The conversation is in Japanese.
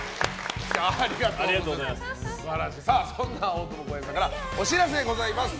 そんな大友康平さんからお知らせございます。